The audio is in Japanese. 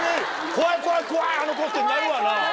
怖い怖い怖いあの子！ってなるわな。